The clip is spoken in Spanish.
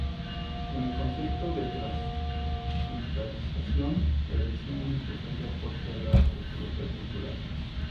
Con el concepto de transculturación realizó un importante aporte a la antropología cultural.